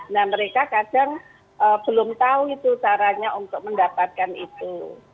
nah mereka kadang belum tahu itu caranya untuk mendapatkan itu